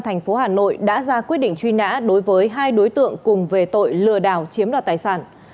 thành phố hà nội đã ra quyết định truy nã đối với hai đối tượng cùng về tội lừa đảo chiếm đoạt tài sản